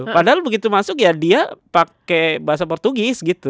padahal begitu masuk ya dia pakai bahasa portugis gitu